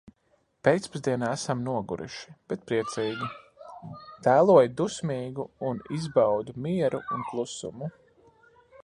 Pēcpusdienā esam noguruši, bet priecīgi. Tēloju dusmīgu un izbaudu mieru un klusumu.